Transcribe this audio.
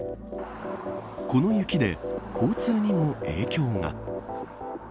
この雪で交通にも影響が。